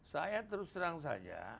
saya terus terang saja